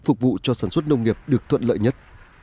phục vụ cho sản xuất nông nghiệp được thuận lợi nhất